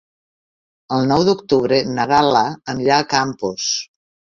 El nou d'octubre na Gal·la anirà a Campos.